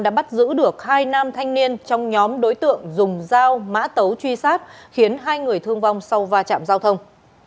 đã bắt giữ được hai nam thanh niên trong nhóm đối tượng dùng dao mã tấu truy sát khiến hai người thương vong sau va chạm giao thông